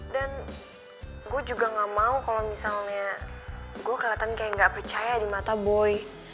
dan gue juga gak mau kalo misalnya gue keliatan kayak gak percaya di mata boy